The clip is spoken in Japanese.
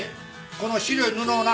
この白い布をな